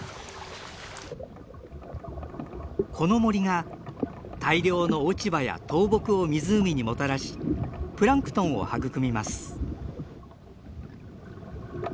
この森が大量の落ち葉や倒木を湖にもたらしプランクトンを育みます。